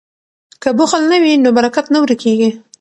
که بخل نه وي نو برکت نه ورکیږي.